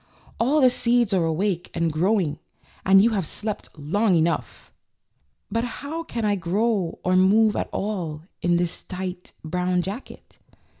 All the seeds are awake and grow ing, and you have slept long enough." "But how can I grow or move at all in this tight, brown jacket?"